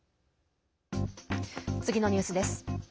次のニュースです。